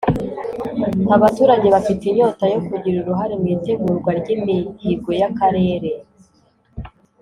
Abaturage bafite inyota yo kugira uruhare mu itegurwa ry imihigo y akarere